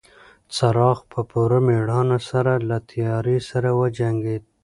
څراغ په پوره مېړانه سره له تیارې سره وجنګېد.